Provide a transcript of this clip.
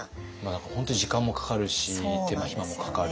本当に時間もかかるし手間暇もかかる。